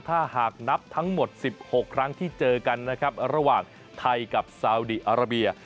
ถ้าหากนับทั้งหมด๑๖ครั้งที่เจอกันนะครับระหว่างไทยกับซาวดีอาราเบีย